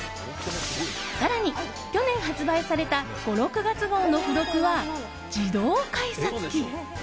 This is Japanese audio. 更に去年発売された５・６月号の付録は自動改札機。